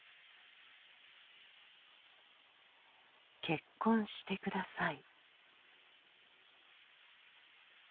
「結婚して下さい」。